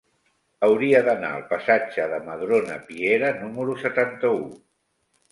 Hauria d'anar al passatge de Madrona Piera número setanta-u.